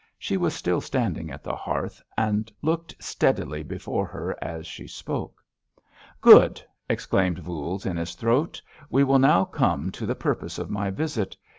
She was still standing at the hearth, and looked steadily before her as she spoke. "Good!" exclaimed Voules in his throat. "We will now come to the purpose of my visit.